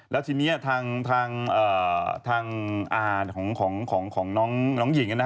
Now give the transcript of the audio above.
แล้วทีนี้ทางอาของนางหญิงก็บอกว่า